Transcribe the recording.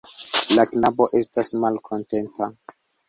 La knabo estas malkontenta.